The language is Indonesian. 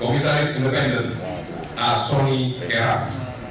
komisaris independen ahsoni keraf